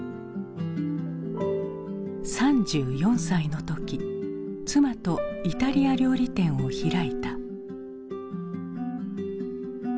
３４歳の時妻とイタリア料理店を開いた。